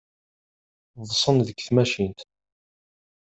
Ḍḍsen deg tmacint.